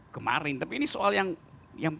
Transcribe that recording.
kemarin tapi ini soal yang